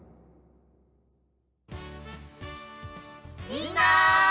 みんな！